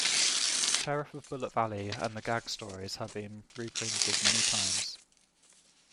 "Sheriff of Bullet Valley" and the gag stories have been reprinted many times.